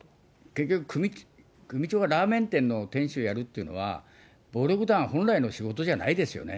結局、組長がラーメン店の店主をやるというのは、暴力団本来の仕事じゃないですよね。